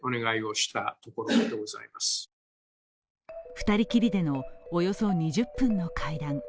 ２人きりでのおよそ２０分の会談。